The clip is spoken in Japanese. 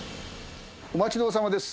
お待ちどおさまです。